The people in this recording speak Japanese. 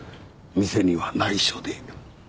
店には内緒で。